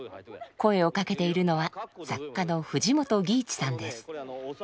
声を掛けているのは作家の藤本義一さんです。